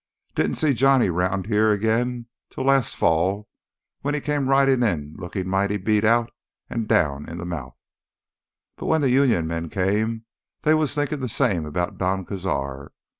Didn't see Johnny round here agin till last fall when he came ridin' in lookin' mighty beat out an' down in th' mouth. But when th' Union men came, they was thinkin' th' same 'bout Don Cazar.